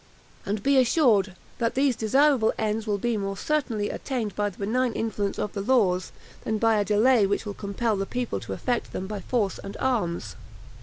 And be assured, that these desirable ends will be more certainly attained by the benign influence of the laws, than by a delay which will compel the people to effect them by force and arms."